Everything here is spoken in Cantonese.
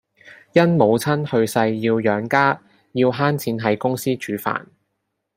因母親去世要養家，要慳錢喺公司煮飯